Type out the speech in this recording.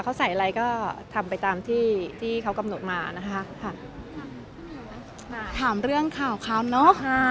เขาใส่อะไรก็ทำไปตามที่ที่เขากำหนดมานะคะค่ะถามเรื่องข่าวเขาเนอะค่ะ